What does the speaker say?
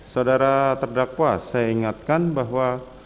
saudara terdakwa saya ingatkan bahwa